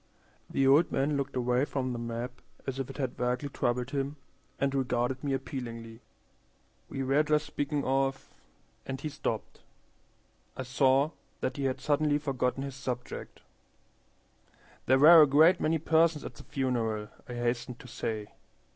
The old man looked away from the map as if it had vaguely troubled him, and regarded me appealingly. "We were just speaking of" and he stopped. I saw that he had suddenly forgotten his subject. "There were a great many persons at the funeral," I hastened to say.